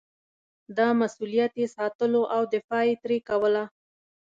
دا مسووليت یې ساتلو او دفاع یې ترې کوله.